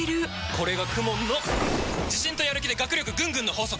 これがＫＵＭＯＮの自信とやる気で学力ぐんぐんの法則！